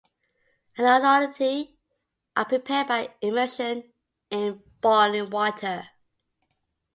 Agnolotti are prepared by immersion in boiling water.